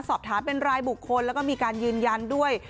สอบถามเป็นรายบุคคลแล้วก็มีการยืนยันด้วย